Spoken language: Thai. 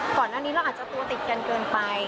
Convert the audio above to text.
ก่อนหน้านี้เราอาจจะตัวติดกันเกินไป